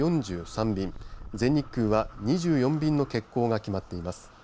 便全日空は２４便の欠航が決まっています。